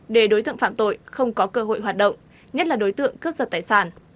để đối tượng phạm tội không có cơ hội hoạt động nhất là đối tượng cướp giật tài sản